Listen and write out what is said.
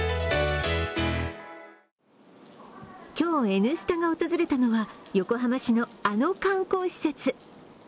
今日「Ｎスタ」が訪れたのは、横浜市のあの観光施設。